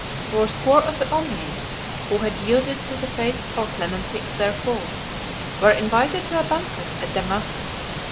Fourscore of the Ommiades, who had yielded to the faith or clemency of their foes, were invited to a banquet at Damascus.